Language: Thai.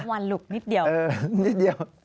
๓วันลุกนิดเดียว